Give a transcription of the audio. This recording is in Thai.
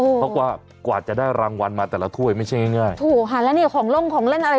เพราะว่ากว่าจะได้รางวัลมาแต่ละถ้วยไม่ใช่ง่ายง่ายถูกค่ะแล้วนี่ของลงของเล่นอะไร